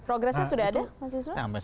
progresnya sudah ada pak ishunur